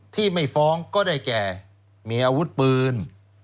ที่ไม่ฟ้องก็ได้แก่มีอาวุธปืน